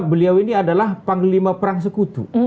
beliau ini adalah panglima perang sekutu